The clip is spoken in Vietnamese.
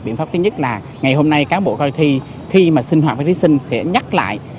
biện pháp thứ nhất là ngày hôm nay cán bộ coi thi khi mà sinh hoạt với thí sinh sẽ nhắc lại